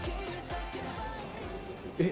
えっ？